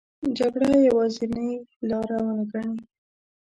جګړه یوازینې لار ونه ګڼي.